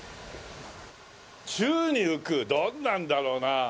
宙に浮くどんなんだろうな。